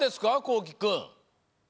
こうきくん。